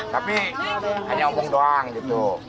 tapi hanya ombung doang gitu